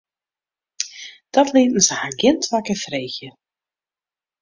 Dat lieten se har gjin twa kear freegje.